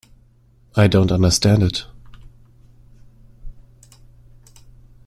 I don't understand it.